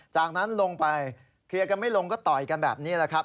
จากนั้นลงไปเคลียร์กันไม่ลงก็ต่อยกันแบบนี้แหละครับ